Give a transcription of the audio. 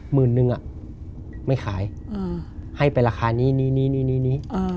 หมื่นนึงอ่ะไม่ขายให้เป็นราคานี้